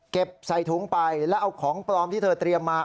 ใส่ถุงไปแล้วเอาของปลอมที่เธอเตรียมมา